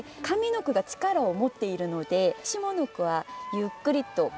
上の句が力を持っているので下の句はゆっくりと。